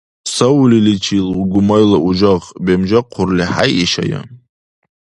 Савлиличил гумайла ужагъ бемжахъурли хӀейишая?